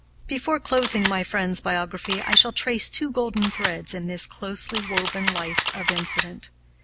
Before closing my friend's biography I shall trace two golden threads in this closely woven life of incident.